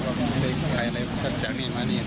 ก็เสียงตะวัตถักจากนี่มานี่